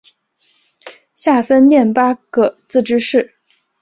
下分廿八个自治市。